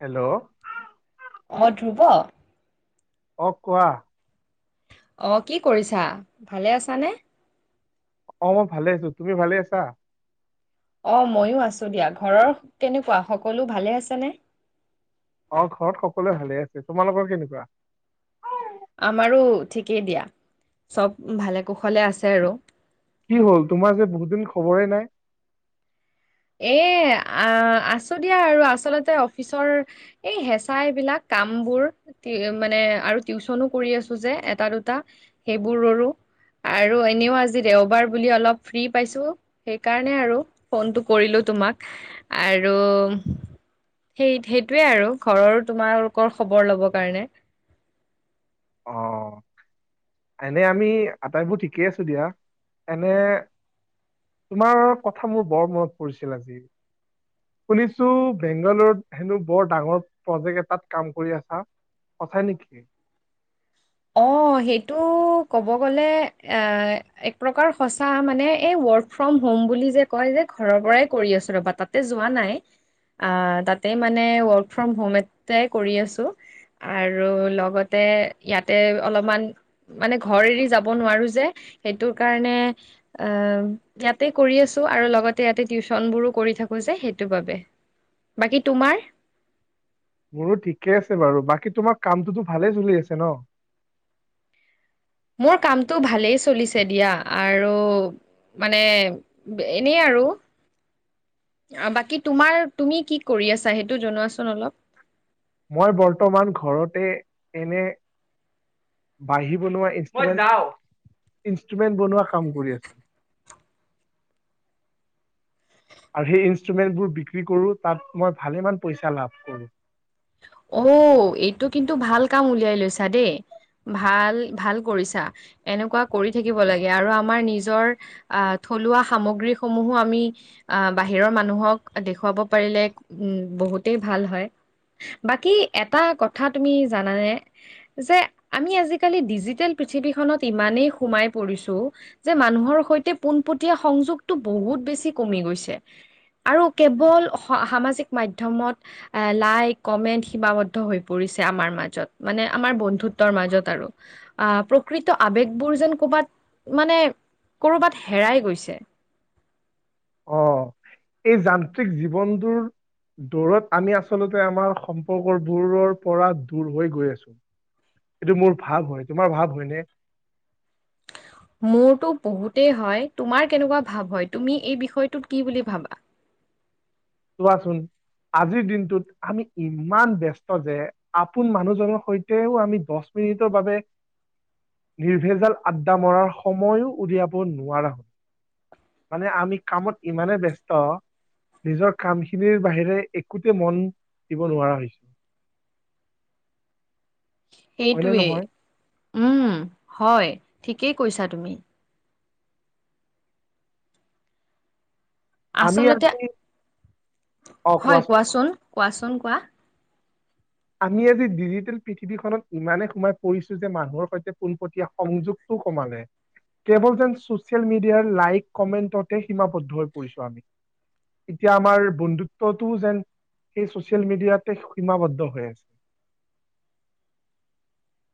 Hello. অ ধ্ৰুব। অকোৱা। অ কি কৰিছা ভালে আছানে। অ মই ভালে আছো তুমি ভালে আছা। অ ময়ো আছো দিয়া ঘৰৰ কেনেকুৱা সকলো ভালে আছেনে। অ ঘৰত সকলোৱে ভালে আছে তোমালোকৰ কেনেকুৱা। আমাৰো ঠিকেই দিয়া চব ভালে কুশলে আছে আৰু। কি হ'ল তোমাৰ যে বহুত দিন খবৰে নাই। এ আ আছো দিয়া আৰু আচলতে অফিচৰ এই হেঁচা এইবিলাক। কাম বোৰ মানে আৰু টিউচনো কৰি আছো যে এটা দুটা সেইবোৰ ৰৰুো। আৰু এনেও আজি দেওবাৰ বুলি অলপ ফ্ৰী পাইছো সেইকাৰণে আৰু ফোনটো। কৰিলো তোমাক আৰু সেই সেইটোৱে আৰু ঘৰৰো তোমালোকৰ খবৰ লব কাৰণে অ এনে আমি আটাইবোৰ ঠিকেই আছো দিয়া এনে তোমাৰ কথা মোৰ বৰ মনত পৰিছিল আজি শুনিছো বেংগালুৰুত হেনো বৰ ডাঙৰ প্ৰজেক্ট এটাত কাম কৰি আছা সঁচা নেকি। অ সেইটো ক'ব গলে এ এক প্ৰকাৰ সঁচা মানে এই। ৱৰ্ক ফ্ৰম হম বুলি যে ক যে ঘৰৰ পৰাই কৰি আছো ৰ'বা তাতে যোৱা নাই। আহ তাতে মানে ৱৰ্ক ফ্ৰম হোম এটাই কৰি আছো। আৰু লগতে ইয়াত। তাতে অলপমান মানে ঘৰ এৰি যাব নোৱাৰো যে সেইটো কাৰণে অ। ইয়াতে কৰি আছো আৰু লগতে ইয়াতে টিউচন বোৰো কৰি থাকো যে সেইটো বাবে। বাকী তোমাৰ। মোৰো ঠিকে আছে বাৰু বাকী তোমাৰ কামটোতো ভালেই চলি আছে ন। মোৰ কামটো ভালেই চলিছে দিয়া আৰু। মানে এনেই আৰু। বাকী তোমাৰ তুমি কি কৰি আছা সেইটো জনোৱাচোন অলপ। মই বৰ্তমান ঘৰতে এনে। বাঢ়ি বনোৱা ই। ইনষ্টোমেন্ত বনোৱা কাম কৰি আছিল। [unintelligible] আৰু সেই ইনষ্টোমেন্তবোৰ বিক্ৰী কৰোঁ তাত মই ভালেমান পইচা লাভ কৰোঁ। অ এইটো কিন্তু ভাল কাম উলিয়াই লৈছা দেই। ভাল ভাল কৰিছা এনেকুৱা কৰি থাকিব লাগে আৰু আমাৰ নিজৰ আহ। থলুৱা সামগ্ৰীসমূহো আমি বাহিৰ মানুহক দেখুৱাব পাৰিলে উ বু। বহুতেই ভাল হয় বাকী এটা কথা তুমি জানানে যে আমি আজিকালি ডিজিটেল পৃথিৱীত পৃথিৱীখনত ইমানেই সোমাই পৰিছো যে মানুহৰ সৈতে পোনপটীয়া সংযোগতটো বহুত বেছি চি কমি গৈছে আৰু কেৱল সামাজিক মাধ্যমত লাইক কমেণ্ট সীমাবদ্ধ হৈ পৰিছে আমাৰ মাজত মানে আমাৰ বন্ধুতৰ মাজত আৰু আ প্ৰকৃতৰ আবেগবোৰ যেন ক'ৰবাত মানে কৰবাত হেৰাই গৈছে [inaudible] অ এই যান্ত্ৰিক জীৱনটোৰ দৌৰত আমি আচলতে আমাৰ সম্পৰ্কবোৰৰ পৰা দূৰ হৈ গৈ আছো এইটো মোৰ ভাৱ হয় তোমাৰ ভাৱ হয়নে [inaudible] মোৰতো বহুতেই হয় তোমাৰ কেনেকুৱা ভাৱ হয় তুমি এই বিষয়টোত কি বুলি ভাবা [inaudible] চোৱাচোন আজিৰ দিনটোত আমি ইমান ব্যস্ত যে আপোন মানুহজনৰ সৈতেও আমি দহ মিতভাৱ নিৰ্ভেজাল আড্ডা মৰাৰ সময়ো উলিয়াব নোৱাৰা হল মানে আমি কামত ইমানে ব্যস্ত নিজৰ কামখিনিৰ বাহিৰে একোতে মন দিব নোৱাৰা হৈছো [inaudible] হয়নে সেইটোৱেই নহয় উম হয় ঠিকেই কৈছা তুমি আমি আচলতে আজি হয় কোৱাচোন কোৱাচোন কোৱা আমি আজি ডিজিটেল পৃথিৱীখনত ইমানে সোমাই পৰিছো যে মানুহৰ সৈতে পোনপটীয়া সংযোগ কু কমালে কেৱল যেন ছচিয়েল মিডিয়াৰ লাইক কমেণ্টতে সীমাবদ্ধ হৈ পৰিছো আমি। এতিয়া আমাৰ বন্ধুত্বটোও যেন সেই ছচিয়েল মিডিয়াতে সীমাবদ্ধ। হয় আছে।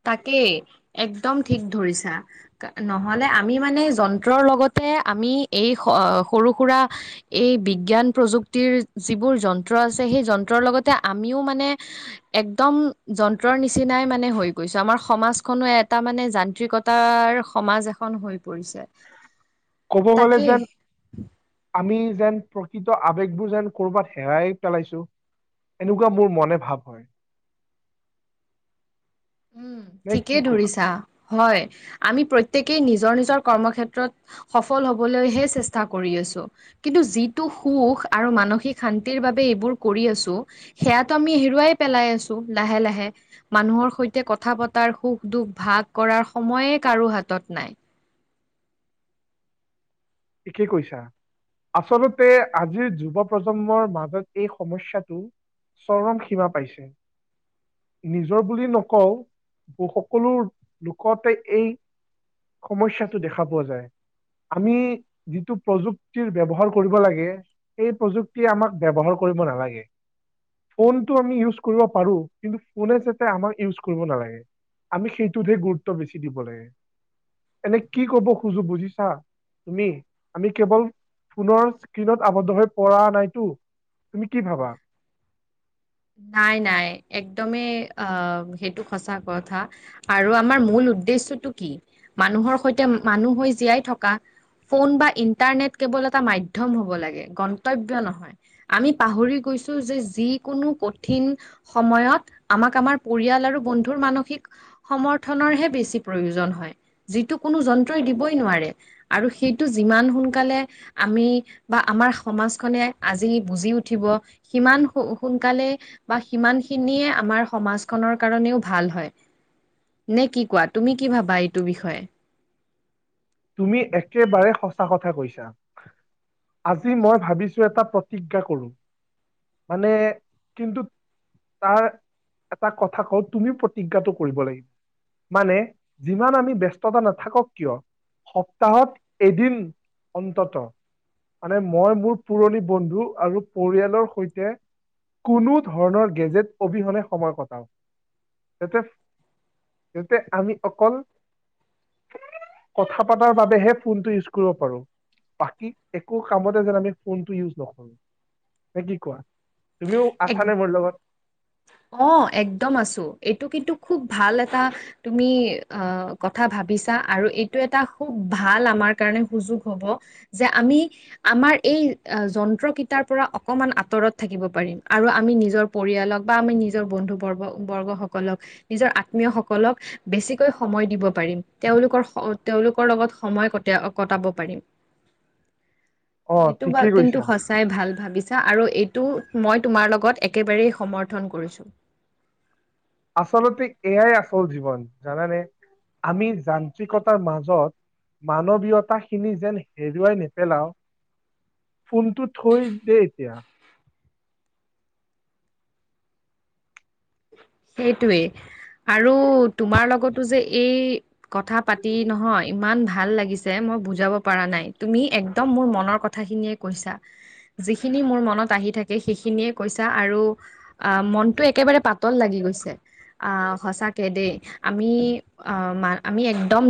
তাকেই একদম ঠিক ধৰিছা নহলে আমি মানে যন্ত্ৰৰ লগতে। আমি এই সৰু সুৰা এই বিজ্ঞান প্ৰযুক্তিৰ যিবোৰ যন্ত্ৰ। সেই যন্ত্ৰৰ লগতে আমিও মানে একদম যন্ত্ৰৰ নিচিনাই মানে হৈ। গৈছো আমাৰ সমাজখনো এটা মানে যান্ত্ৰিকতাৰ সমাজ এখন হৈ পৰিছে কব গ'লে তাকে যেন আমি যেন প্ৰকৃত আবেগবোৰ যেন কৰবাত হেৰাই পেলাইছো এনেকুৱা মোৰ মনে ভাৱ হয় উম নে কি ঠিকেই কোৱা ধৰিছা হয় আমি প্ৰত্যেকেই নিজৰ নিজৰ কৰ্মক্ষেত্ৰত সফল হবলৈহে চেষ্টা কৰি আছো কিন্তু যিটো সুখ আৰু মানসিক শান্তিৰ বাবে এইবোৰ কৰি আছো সেয়াতটো আমি হেৰুৱাই পেলাই আছো লাহে লাহে মানুহৰ সৈতে কথা পতাৰ সুখ দুখ ভাগ কৰাৰ সময়ে কাৰো হাতত নাই ঠিকেই কৈছা আচলতে আজিৰ যুৱ প্ৰজন্মৰ মাজত এই সমস্যাটো চৰম সীমা পাইছে নিজৰ বুলি নকওঁ ব সকলো লোকতে এই সমস্যাটো দেখা পোৱা যায় আমি যিটো প্ৰযুক্তিৰ ব্যৱহাৰ কৰিব লাগে এই প্ৰযুক্তি আমাক ব্যৱহাৰ কৰিব নালাগে। ফোনটো আমি ইউজ কৰিব পাৰো কিন্তু ফোনে যাতে আমাৰ ইউজ কৰিব নালাগে। আমি সেইটোতহে গুৰুত্ব বেছি দিব লাগে। এনে কি কব খোজো বুজিছা তুমি আমি কেৱল ফোনৰ স্ক্ৰীণত আৱদ্ধ হৈ পৰা নাইতো তুমি কি ভাবা [unintelligible] নাই নাই একদমেই অ সেইটো সঁচা কথা আৰু আমাৰ মূল। উদ্দেশ্যটো কি মানুহৰ সৈতে মানুহ হৈ জীয়াই থকা। ফোন বা ইন্টাৰনেট কেৱল এটা মাধ্যম হ'ব লাগে গন্তব্য নহয় আমি পাহৰি গ। কৈছো যে যিকোনো। কঠিন সময়ত আমাক আমাৰ পৰিয়াল আৰু বন্ধুৰ মানসিক সমৰ্থনৰ হে। বেছি প্ৰয়োজন হয় যিটো কোনো যন্ত্ৰই দিবই নোৱাৰে আৰু সেইটো যিমান সোনকালে। আমি বা আমাৰ সমাজখনে আজি বুজি উঠিব সিমান স সোনকালে। বা সিমান খিনিয়ে আমাৰ সমাজখনৰ কাৰণেও ভাল হয়। নে কি কোৱা তুমি কি ভাবা এইটো বিষয়ে? তুমি একেবাৰে সঁচা কথা কৈছা। আজি মই ভাবিছো এটা প্ৰতিজ্ঞা কৰো মানে কিন্তু। তাৰ এটা কথা কওঁ তুমি প্ৰতিজ্ঞাটো কৰিব লাগিব। মানে যিমান আমি ব্যস্ততা নাথাকক কিয়! সপ্তাহত এদিন অন্তত। মানে মই মোৰ পুৰণি বন্ধু আৰু পৰিয়ালৰ সৈতে। কোনো ধৰণৰ গেজেট অবিহনে সময় কটাও যাতে। যাতে আমি অকল। [unintelligible] কথা পাতাৰ বাবেহে ফোনটো ইউজ কৰিব পাৰো। বাকী একো কামতে যেন আমি ফোনটো ইউজ নকৰো নে কি কোৱা। তুমিও এক আছা নাই মোৰ লগত। অ একদম আছো এইটো কিন্তু খুব ভাল এটা তুমি অ কথা ভাব। ভাবিছা আৰু এইটো এটা খুব ভাল আমাৰ কাৰণে সুযোগ হ'ব যে আমি আমাৰ। এই যন্ত্ৰকেইটাৰ পৰা অকণমান আঁতৰত থাকিব পাৰিম আৰু আমি নিজৰ পৰিয়ালক বা আমি নিজৰ বন্ধু বৰ্গ বৰ্গ সকলক নিজৰ আত্মীয় সকলক বেছিকৈ সময় দিব পাৰিম। তেওঁলোকৰ তেওঁলোকৰ লগত সময় ক কটাব পাৰিম। অ সেইটো বা ঠিকেই কিন্তু কৈছা সঁচাই ভাল ভাবিছা আৰু এইটো মই তোমাৰ লগত একেবাৰেই সমৰ্থন কৰিছোঁ। আচলতে এয়াই আচল জীৱন জানানে। আমি যান্ত্ৰিকতাৰ মাজত। মানৱীয়তাখিনি যেন হেৰুৱাই নেপেলাও। ফোনটো থৈ দে এতিয়া। সেইটোৱেই আৰু তোমাৰ লগতো যে এই। কথা পাতি নহয় ইমান ভাল লাগিছে মই বুজাব পাৰা নাই তুমি একদম মোৰ মনৰ কথা। কথাখিনিয়ে কৈছা যিখিনি মোৰ মনত আহি থাকে সেইখিনিয়েই কৈছা আৰু অ। মনটো একেবাৰে পাত। লাগি গৈছে অ সচাকে দেই আমি আমি একদম।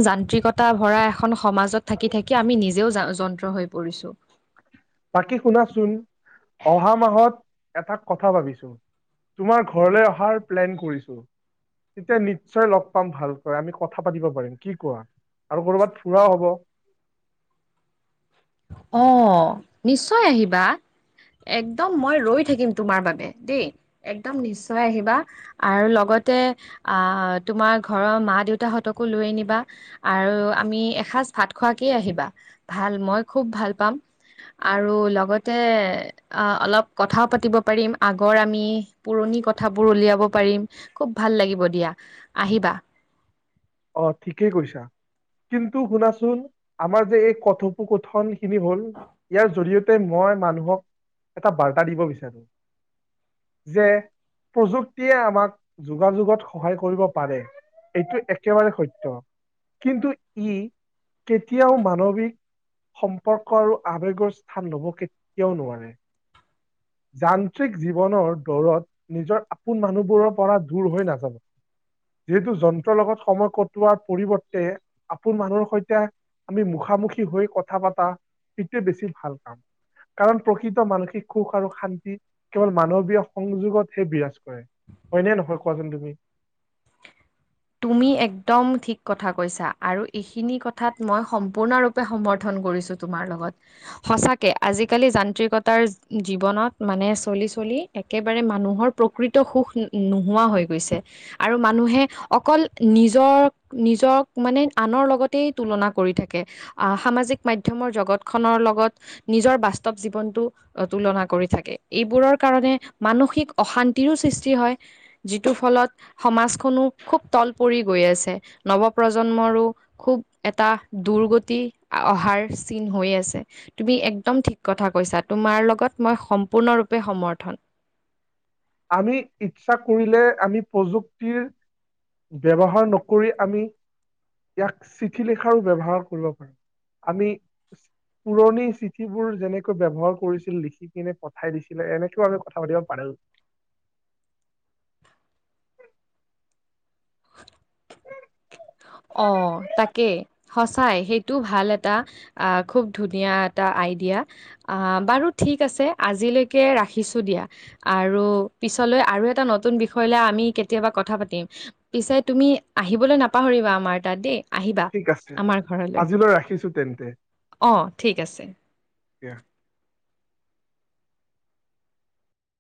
তা ভৰা এখন সমাজত থাকি থাকি আমি নিজেও যন্ত্ৰ হৈ পৰিছো। বাকী শুনাচোন অহা মাহত এটা কথা ভাবিছো। তোমাৰ ঘৰলৈ অহাৰ প্লেন কৰিছো। তেতিয়া নিশ্চয় লগ পাম ভালকৈ আমি কথা পাতিব পাৰিম কি কোৱা। আৰু কৰবাত ফুৰাও হ'ব। অ নিশ্চয় আহিবা। একদম মই ৰৈ থাকিম তোমাৰ বাবে দেই একদম নিশ্চয় আহিবা আৰু লগত। ইয়াতে আ তোমাৰ ঘৰৰ মা দেউতাহতকো লৈ আনিবা আৰু আমি এসা। এসাজ ভাত খোৱাকে আহিবা ভাল মই খুব ভাল পাম। আৰু লগতে অ অলপ কথাও পাতিব পাৰিম আগৰ আমি পুৰণি। নি কথাবোৰ উলিয়াব পাৰিম খুব ভাল লাগিব দিয়া আহিবা। অ ঠিকেই কৈছা কিন্তু শুনাচোন আমাৰ যে এই কথোপুকথন। কিনি হ'ল ইয়াৰ জৰিয়তে মই মানুহক এটা বাৰ্তা দিব বিচাৰো যে প্ৰযুক্তিয়ে আমাক যোগাযোগত সহায় কৰিব পাৰে এইটো এক একেবাৰে সত্য কিন্তু ই কেতিয়াও মানৱিক সম্পৰ্ক আৰু আৱেগৰ স্থান লব কেতিয়াও নোৱাৰে যান্ত্ৰিক জীৱনৰ দৌৰত নিজৰ আপোন মানুহবোৰৰ পৰা দূৰ হৈ নাযাব যিহেতু যন্ত্ৰৰ লগত সময় কটোৱাৰ পৰিৱৰ্তে আপোন মানুহৰ সৈতে আমি মুখামুখি হৈ কথা পাতা সেইটোৱে বেছি ভাল কাম কাৰণ প্ৰকৃত মানসিক সুখ আৰু শান্তি কেৱল মানৱীয় সংযোগতহে বিৰাজ কৰে হয়নে নহয় কোৱাচোন তুমি [unintelligible] তুমি একদম ঠিক কথা কৈছা আৰু এইখিনি কথাত মই সম্পূৰ্ণৰূপে সমৰ্থন কৰিছো তোমাৰ লগত সচাকে আজি কালি যান্ত্ৰিকতাৰ জীবনত মানে চলিছো চলি একেবাৰে মানুহৰ প্ৰকৃত সুখ নোহোৱা হৈ গৈছে আৰু মানুহে অকল নিজক নিজক মানে আনৰ লগতেই তুলনা কৰি থাকে আ সামাজিক মাধ্যমৰ জগত খনৰ লগত নিজৰ বাস্তৱ জীৱনটো তুলনা কৰি থাকে এইবোৰত কাৰনে মানসিক অশান্তিৰো সৃষ্টি হয় যিটোৰ ফলত সমাজখনো খুব তল পৰি গৈ আছে নৱ প্ৰজন্মৰো খুব এটা দুৰ্গতি আ অহাৰ চিন হৈ আছে তুমি একদম ঠিক কথা কৈছা তোমাৰ লগত মই সম্পূৰ্ণৰূপে সমৰ্থন আমি ইচ্ছা কৰিলে আমি প্ৰযুক্তিৰ ব্যৱহাৰ নকৰি আমি ইয়াক চিঠি লিখাৰো ব্যৱহাৰ কৰিব পাৰো আমি পুৰণি চিঠিবোৰ যেনেকৈ ব্যৱহাৰ কৰিছিল লিখি কিনে পঠাই দিছিলে এনেকেও আমি কথা পাতিব পাৰো অ তাকে সচাই সেইটো ভাল এটা আহ খুব ধুনীয়া এটা আইদিয়া আ বাৰু ঠিক আছে আজিলৈকে ৰাখিছো দিয়া আৰু পিছ- পিচলৈ আৰু এটা নতুন বিষয়লৈ আমি কেতিয়াবা কথা পাতিম পিছে তুমি আহিবলৈ নাপ- পাহৰিবা আমাৰ তাত দেই। আহিবা ঠিক আছে আমাৰ ঘৰলৈ আজিলৈ ৰাখিছো তেন্তে অ ঠিক আছে। কেতিয়া